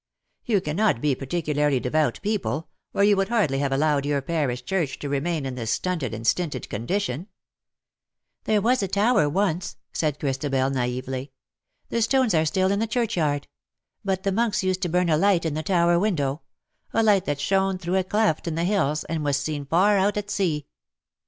" You cannot be a par ticularly devout people, or you would hardly have allowed your parish church to remain in this stunted and stinted condition/^ "There was a tower once/^ said Christabel, naively ;" the stones are still in the churchyard ; but the monks used to burn a light in the tower window — a light that shone through a cleft in the hills, and was seen far out at sea."